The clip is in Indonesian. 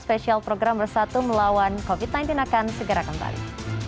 spesial program bersatu melawan covid sembilan belas akan segera kembali